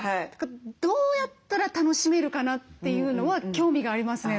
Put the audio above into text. どうやったら楽しめるかなというのは興味がありますね。